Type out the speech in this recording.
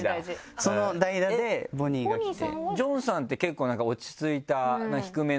その代打でボニーが来て。